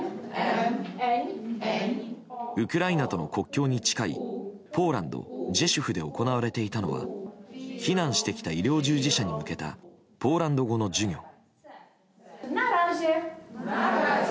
ウクライナとの国境に近いポーランド・ジェシュフで行われていたのは避難してきた医療従事者に向けたポーランド語の授業。